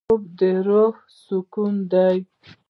خوب د روح سکون دی